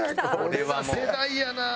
これは世代やな！